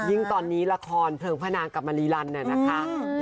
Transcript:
ยิ่งตอนนี้ละครเพลิงพระนางกับมารีลันเนี่ยนะคะ